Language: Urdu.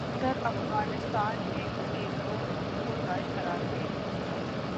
ادھر افغانستان میں بھی ایک گروہ نے خود کو داعش قرار دے